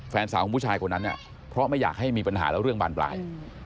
แฟนสาวของผู้ชายคนนั้นเนี่ยเพราะไม่อยากให้มีปัญหาแล้วเรื่องบานปลาย